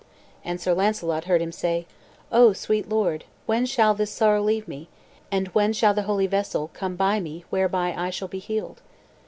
And Sir Launcelot heard him say, "O sweet Lord, when shall this sorrow leave me, and when shall the holy vessel come by me whereby I shall be healed?"